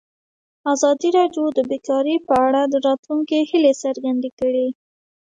ازادي راډیو د بیکاري په اړه د راتلونکي هیلې څرګندې کړې.